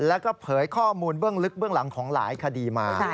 แล้วก็เผยข้อมูลเบื้องลึกเบื้องหลังของหลายคดีมา